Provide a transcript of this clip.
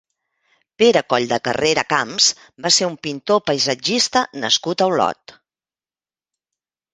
Pere Colldecarrera Camps va ser un pintor paisatgista nascut a Olot.